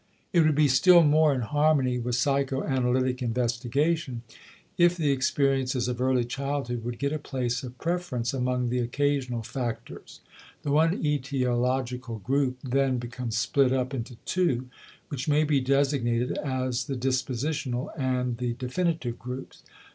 It would be still more in harmony with psychoanalytic investigation if the experiences of early childhood would get a place of preference among the occasional factors. The one etiological group then becomes split up into two which may be designated as the dispositional and the definitive groups.